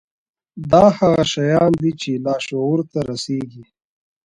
دا هغه شيان دي چې لاشعور ته رسېږي.